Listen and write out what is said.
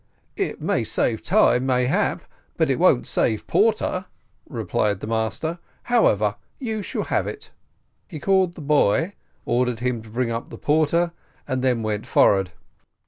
"It may save time mayhap, but it won't save porter," replied the master; "however, you shall have it." He called the boy, ordered him to bring up the porter, and then went forward.